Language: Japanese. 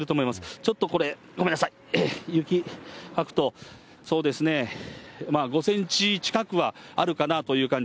ちょっとこれ、ごめんなさい、雪かくと、そうですね、５センチ近くはあるかなという感じ。